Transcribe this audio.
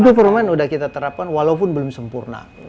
performa sudah kita terapkan walaupun belum sempurna